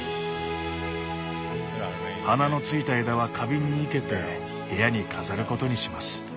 花のついた枝は花瓶に生けて部屋に飾ることにします。